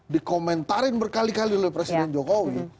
dikomentarin berkali kali oleh presiden jokowi